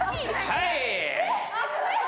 はい。